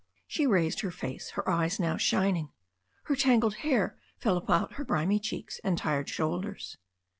She raised her face, her eyes now shining. Her tangled hair fell about her grimy cheeks and tired shoulders.